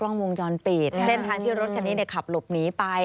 กล้องวงจรปิดเส้นทางที่รถคันนี้ขับหลบหนีไป